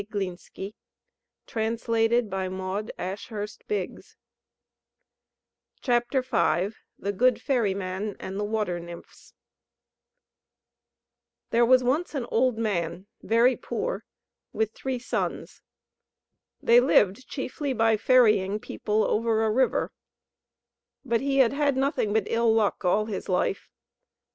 [Illustration: THE GOOD FERRYMAN CAPTURES THE MERMAID] THE GOOD FERRYMAN AND THE WATER NYMPHS There was once an old man, very poor, with three sons. They lived chiefly by ferrying people over a river; but he had had nothing but ill luck all his life.